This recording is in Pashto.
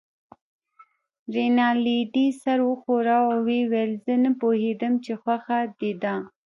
رینالډي سر و ښوراوه او ویې ویل: زه نه پوهېدم چې خوښه دې ده.